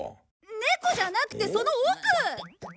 ネコじゃなくてその奥！